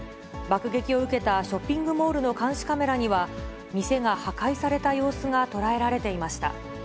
爆撃を受けたショッピングモールの監視カメラには、店が破壊された様子が捉えられていました。